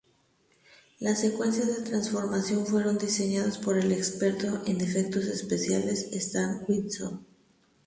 Las secuencias de transformación fueron diseñadas por el experto en efectos especiales Stan Winston.